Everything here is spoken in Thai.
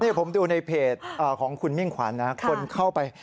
นี่ผมดูในเพจของคุณมิ่งขวัญนะคนเข้าไป